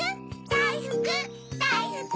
だいふくだいふく！